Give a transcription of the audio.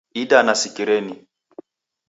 Idana sikirenyi